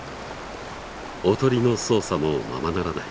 おとりの操作もままならない。